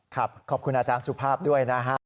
ขอบคุณอาจารย์สุภาพด้วยนะฮะ